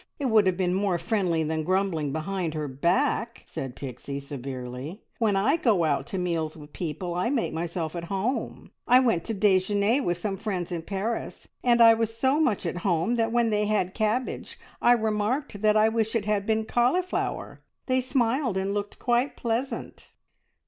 It would have been more friendly than grumbling behind her back," said Pixie severely. "When I go out to meals with people I make myself at home. I went to dejeuner with some friends in Paris, and I was so much at home that when they had cabbage, I remarked that I wished it had been cauliflower. They smiled, and looked quite pleasant!"